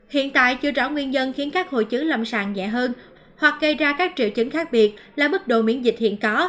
hiện tại chưa rõ nguyên nhân khiến các hội chứa lâm sàng rẻ hơn hoặc gây ra các triệu chứng khác biệt là mức độ miễn dịch hiện có